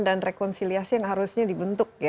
dan rekonsiliasi yang harusnya dibentuk